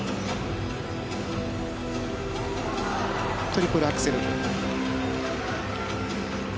トリプルアクセル。